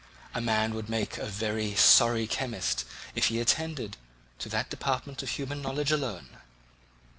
A man would make but a very sorry chemist if he attended to that department of human knowledge alone.